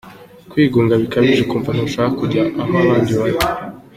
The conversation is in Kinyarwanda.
Kwigunga bikabije ukumva ntushaka kujya ahoa abandi bari.